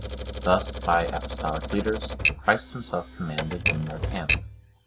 Thus, by these apostolic leaders, Christ Himself commanded in their camp.